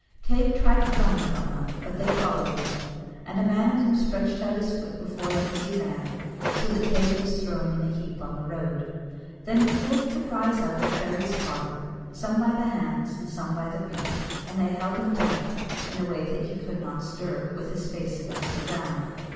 Teig tried to run from them, but they followed him, and a man of them stretched out his foot before him as he ran, so that Teig was thrown in a heap on the road. Then before he could rise up the fairies caught him, some by the hands and some by the feet, and they held him tight, in a way that he could not stir, with his face against the ground.